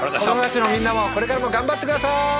子供たちのみんなもこれからも頑張ってください！